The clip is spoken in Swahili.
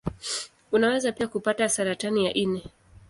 Unaweza pia kupata saratani ya ini.